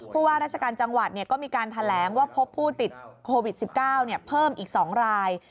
ว่าราชการจังหวัดก็มีการแถลงว่าพบผู้ติดโควิด๑๙เพิ่มอีก๒ราย